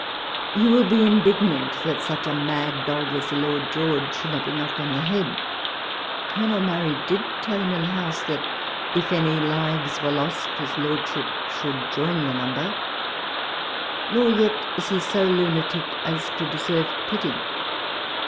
You will be indignant that such a mad dog as Lord George should not be knocked on the head. Colonel Murray did tell him in the House, that, if any lives were lost, his Lordship should join the number. Nor yet is he so lunatic as to de serve pity.